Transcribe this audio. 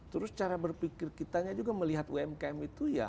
terus cara berpikir kitanya juga melihat umkm itu ya